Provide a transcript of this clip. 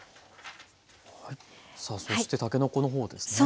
さあそしてたけのこの方ですね。